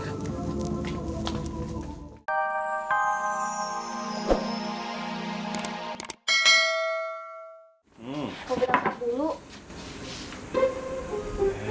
kok belakang dulu